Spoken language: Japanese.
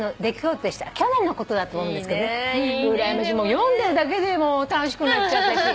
読んでるだけでもう楽しくなっちゃう私。